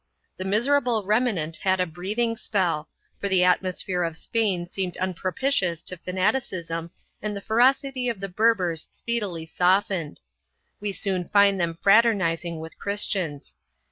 1 The miserable remnant had a breathing spell, for the atmosphere of Spain seemed un propitious to fanaticism and the ferocity of the Berbers speedily softened. We soon find them fraternizing with Christians.